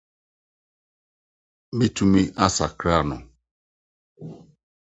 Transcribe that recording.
‘ Metumi Asakra No ’